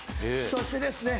そしてですね